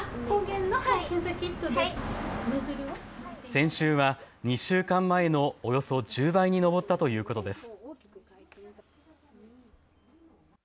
先週は２週間前のおよそ１０倍に上ったということです。